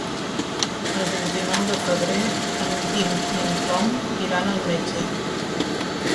El vint-i-nou de febrer en Guim i en Tom iran al metge.